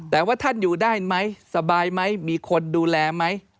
แต่ว่าท่านอยู่ได้ไหมสบายไหมมีคนดูแลไหม